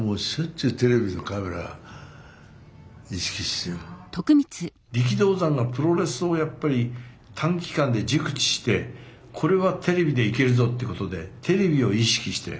そしたら力道山のプロレスをやっぱり短期間で熟知してこれはテレビでいけるぞってことでテレビを意識して。